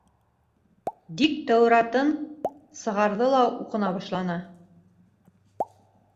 Дик Тәүратын сығарҙы ла уҡына башланы.